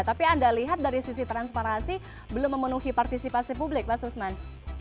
tapi anda lihat dari sisi transparansi belum memenuhi partisipasi publik mas usman